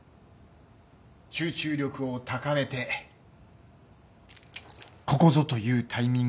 集中力を高めてここぞというタイミングで。